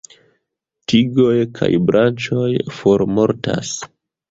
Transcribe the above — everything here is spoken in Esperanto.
Tigoj kaj branĉoj formortas.